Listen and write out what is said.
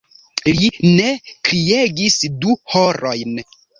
Li ne kriegis du horojn!